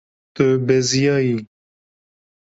Tu beziyayî.